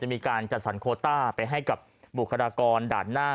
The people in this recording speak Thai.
มีการจัดสรรโคต้าไปให้กับบุคลากรด่านหน้า